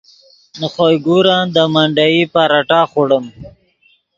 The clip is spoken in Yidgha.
نے خوئے گورن دے منڈیئی پراٹھہ خوڑیم